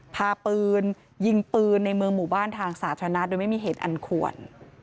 พาปืนยิงปืนในเมืองหมู่บ้านทางสาธารณะโดยไม่มีเหตุอันควร